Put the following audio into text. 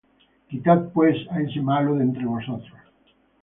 quitad pues á ese malo de entre vosotros.